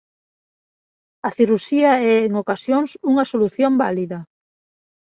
A cirurxía é en ocasións unha solución válida.